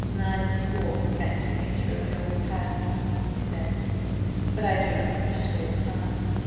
"I deplore the scanty nature of your repast," he said. "But I do not wish to waste time.